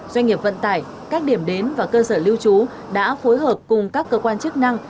doanh nghiệp vận tải các điểm đến và cơ sở lưu trú đã phối hợp cùng các cơ quan chức năng